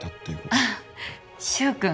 あっ柊君